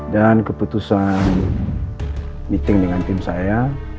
dan keputusan meeting dengan tim saya